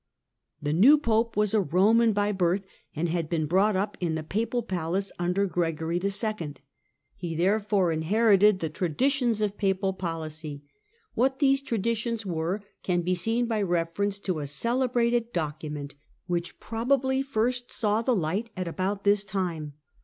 The The new Pope was a Roman by birth, and had been qfOonstan brought up in the Papal palace under Gregory II. He therefore inherited the traditions of Papal policy. What these traditions were can be seen by reference to a£ celebrated document, which probably first saw the light at about this time.